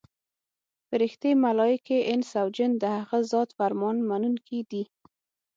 فرښتې، ملایکې، انس او جن د هغه ذات فرمان منونکي دي.